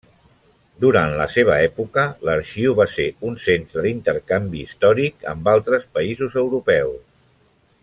Durant la seva època, l'arxiu va ser un centre d'intercanvi històric amb altres països europeus.